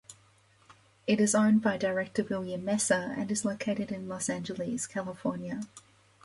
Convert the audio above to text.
It is owned by director William Mesa and is located in Los Angeles, California.